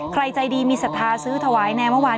ใจดีมีศรัทธาซื้อถวายในเมื่อวาน